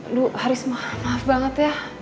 lu haris maaf banget ya